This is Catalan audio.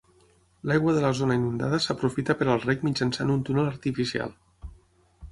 L'aigua de la zona inundada s'aprofita per al reg mitjançant un túnel artificial.